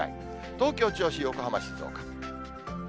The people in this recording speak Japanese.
東京、銚子、横浜、静岡。